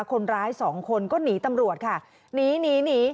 คนร้าย๒คนก็หนีตำรวจค่ะหนี